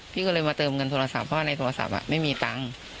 พี่ก็เลยมาเติมเงินโทรศัพท์เพราะว่าในโทรศัพท์ไม่มีตังค์